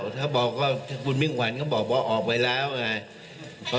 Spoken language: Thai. ถ้าบอกว่าถ้าคุณมิ่งขวัญเขาบอกว่าออกไปแล้วไง